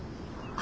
あ。